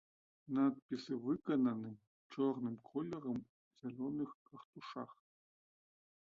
Надпісы выкананы чорным колерам у зялёных картушах.